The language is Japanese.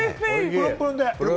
プルンプルンで！